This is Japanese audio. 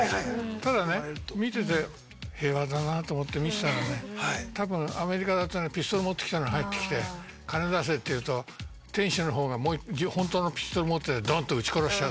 ただね見てて平和だなと思って見てたらねたぶんアメリカだとねピストル持ってきたの入ってきて金出せって言うと店主の方がホントのピストル持ってドンと撃ち殺しちゃうとか。